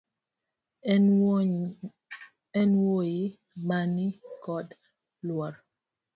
En wuoyi mani kod luor